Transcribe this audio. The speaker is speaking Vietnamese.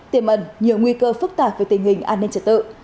tiềm ẩn nhiều nguy cơ phức tạp về tình hình an ninh trật tự